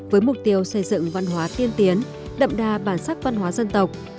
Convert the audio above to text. với mục tiêu xây dựng văn hóa tiên tiến đậm đà bản sắc văn hóa dân tộc